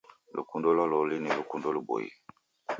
Lukundo lwa loli ni lukundo luboie.